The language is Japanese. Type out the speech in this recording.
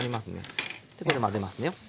でこれ混ぜますね。